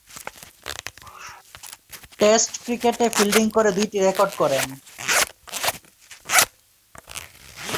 Test ক্রিকেটে fielding করে দুইটি রেকর্ড করেন।